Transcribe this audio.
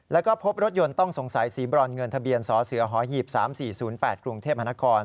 แล้วก็พบรถยนต์ต้องสงสัยสีบรอนเงินทะเบียนสเสหีบ๓๔๐๘กรุงเทพมหานคร